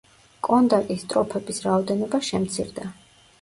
კონდაკის სტროფების რაოდენობა შემცირდა.